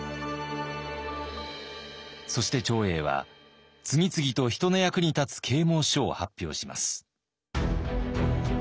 そして長英は次々と人の役に立つ啓もう書を発表します。